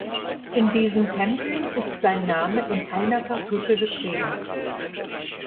In diesen Tempeln ist sein Name in einer Kartusche geschrieben.